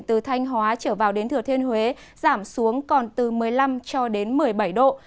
từ thanh hóa trở vào đến thừa thiên huế giảm xuống còn từ một mươi năm cho đến một mươi bảy độ